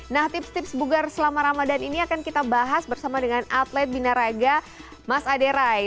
nah tips tips bugar selama ramadan ini akan kita bahas bersama dengan atlet binaraga mas aderai